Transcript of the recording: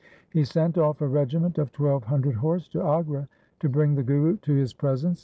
He sent off a regiment of twelve hundred horse to Agra to bring the Guru to his presence.